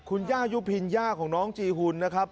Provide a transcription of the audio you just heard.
คุณย่ายุพินย่าของน้องจีหุ่นนะครับ